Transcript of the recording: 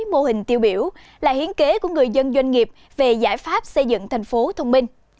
mô hình tiêu biểu là hiến kế của người dân doanh nghiệp về giải pháp xây dựng thành phố thông minh